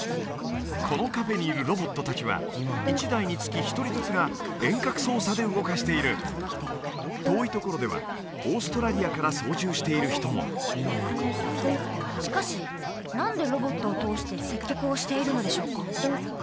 このカフェにいるロボット達は１台につき１人ずつが遠隔操作で動かしている遠いところではオーストラリアから操縦している人もしかし何でロボットを通して接客をしているのでしょうか？